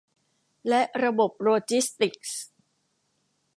และระบบโลจิสติกส์